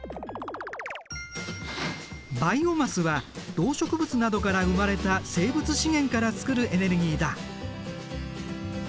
バイオマスは動植物などから生まれた生物資源から作るエネルギーだ。